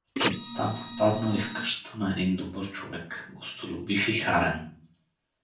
Там попаднали в къщата на един добър човек, гостолюбив и харен.